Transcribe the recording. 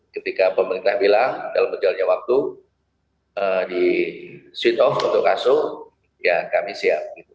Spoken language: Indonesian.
ketika pemerintah bilang dalam menjalankan waktu di sweet off untuk kasus ya kami siap